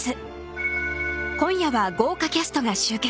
［今夜は豪華キャストが集結］